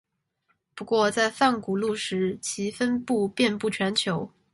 不过在泛古陆时其分布遍布全球。